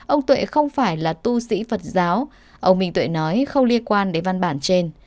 ông tuệ không phải là tu sĩ phật giáo ông minh tuệ nói không liên quan đến văn bản trên